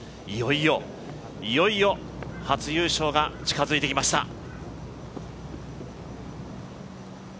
いよいよ、いよいよ初優勝が近づいてきました。